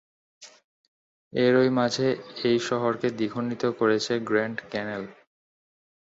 এরই মাঝে এই শহরকে দ্বিখণ্ডিত করেছে গ্র্যান্ড ক্যানেল।